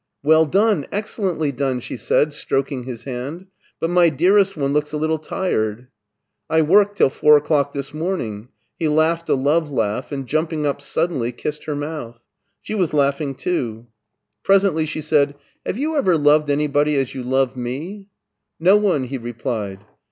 "Well done, excellently done," she said, strok ing his hand. " But my dearest one looks a Jittle tired!" "I worked till four o'clock this morning." He laughed a love laugh, and jumping up suddenly kissed her mouth. She was laughing too. Presently she said, " Have you ever loved anybody as you love me ?"" No one," he replied.